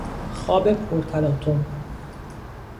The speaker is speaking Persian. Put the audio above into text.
خواب پر تلاطم